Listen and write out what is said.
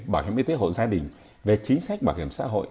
bảo hiểm y tế hộ gia đình về chính sách bảo hiểm xã hội